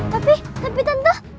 tapi tapi tante